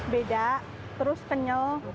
beda terus kenyal